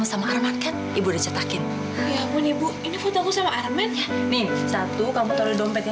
sampai jumpa di video selanjutnya